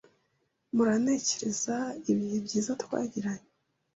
mpora ntekereza ibihe byiza twagiranye.